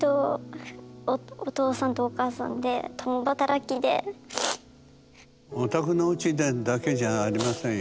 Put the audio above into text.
それでお宅のうちだけじゃありませんよ